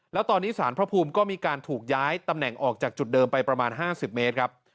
แล้วตอนนี้สารพระภูมิก็มีการถูกย้ายตำแหน่งออกจากจุดเดิมไปประมาณ๕๐เมตรครับ